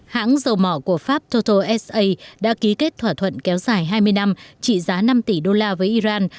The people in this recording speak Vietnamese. hãng dầu mỏ của pháp tothosa đã ký kết thỏa thuận kéo dài hai mươi năm trị giá năm tỷ đô la với iran